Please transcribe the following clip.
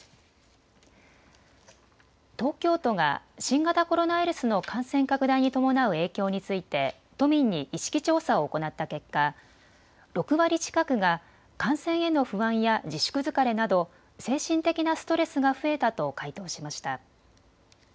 東京都が新型コロナウイルスの感染拡大に伴う影響について都民に意識調査を行った結果、６割近くが感染への不安や自粛疲れなど精神的なストレスが増えたと回答しました。